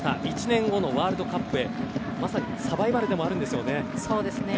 １年後のワールドカップへまさにサバイバルでもありますね。